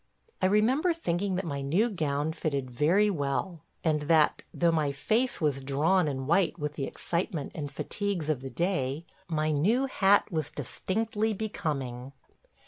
... I remember thinking that my new gown fitted very well, and that, though my face was drawn and white with the excitement and fatigues of the day, my new hat was distinctly becoming.